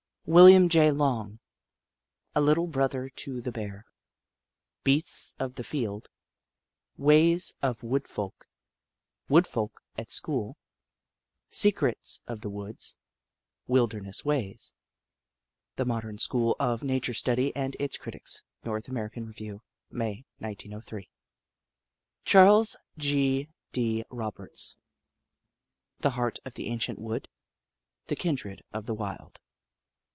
William J. Long : A Little Brother to the Bear. Beasts of the Field. Ways of Wood Folk. Wood Folk at School. Secrets of the Woods. Wilderness Ways. " The Modern School of Nature Study and its Critics," North American Review, May, 1903. Charles G. D. Roberts : The Heart of the Ancient Wood. The Kindred of the Wild.